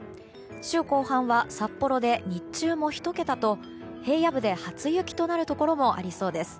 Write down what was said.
週後半は、札幌で日中も１桁と平野部で初雪となるところもありそうです。